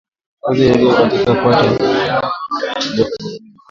Ngozi iliyo katikati ya kwato huvimba na kugeuka nyekundu